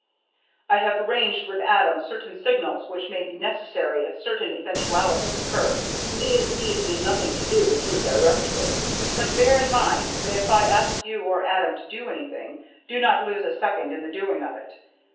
"I have arranged with Adam certain signals which may be necessary if certain eventualities occur. These need be nothing to do with you directly. But bear in mind that if I ask you or Adam to do anything, do not lose a second in the doing of it.